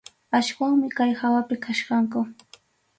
Aswanmi kay hawapi kachkanku.